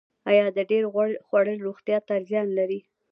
ایا د ډیر غوړ خوړل روغتیا ته زیان لري